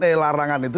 eh larangan itu